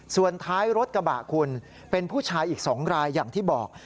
ส่วนท้ายรถกระบะคุณเป็นผู้ชายอีก๒รายอย่างที่บอก